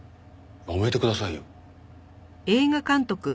やめてくださいよ。